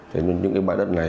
thế nhưng những cái bãi đất này